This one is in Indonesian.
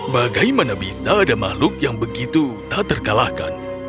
bagaimana bisa ada makhluk yang begitu tak terkalahkan